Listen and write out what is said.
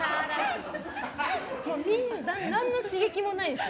何の刺激もないですよ。